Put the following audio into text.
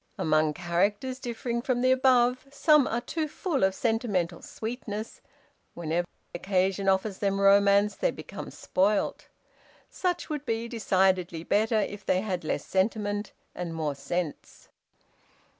"Among characters differing from the above, some are too full of sentimental sweetness whenever occasion offers them romance they become spoilt. Such would be decidedly better if they had less sentiment, and more sense.